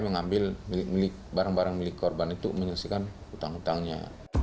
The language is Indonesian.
mengambil milik barang barang milik korban itu menyelesaikan utang utangnya